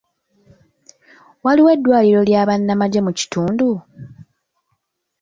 Waliwo eddwaliro ly'abannamagye mu kitundu?